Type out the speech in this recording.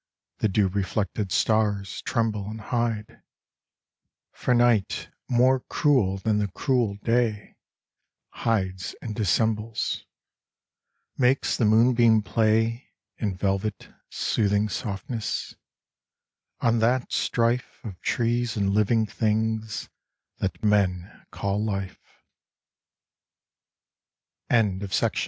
The dew reflected stars tremble and hide ; For night, more cruel than the cruel day, Hides and dissembles, makes the moonbeam play In velvet soothing softness, on that strife Of trees and living thing